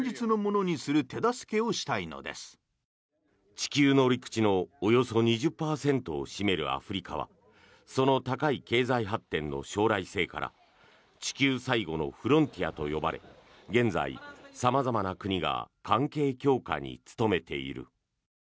地球の陸地のおよそ２０％を占めるアフリカはその高い経済発展の将来性から地球最後のフロンティアと呼ばれ現在、様々な国が関係強化に努めている。